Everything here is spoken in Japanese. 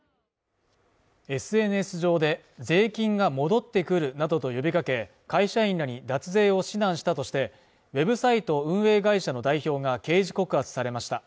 ＳＮＳ上で税金が戻ってくるなどと呼びかけ、会社員らに脱税を指南したとして、ウェブサイト運営会社の代表が刑事告発されました。